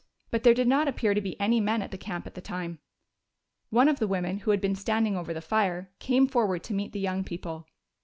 But there did not appear to be any men at the camp at the time. One of the women, who had been standing over the fire, came forward to meet the young people.